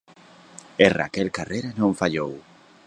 E Raquel Carrera non fallou.